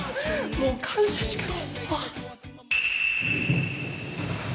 もう感謝しかねえっすわ。